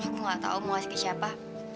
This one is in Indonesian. aku nggak tahu mau ngasih ke siapa